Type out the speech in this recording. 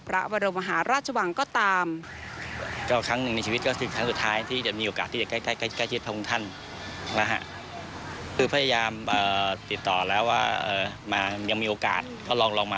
พระบรมหาราชวังก็ตาม